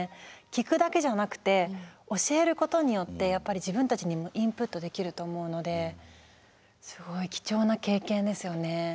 聞くだけじゃなくて教えることによってやっぱり自分たちにもインプットできると思うのですごい貴重な経験ですよね。